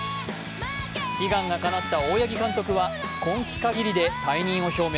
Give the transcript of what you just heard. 悲願がかなった大八木監督は今季限りで退任を表明。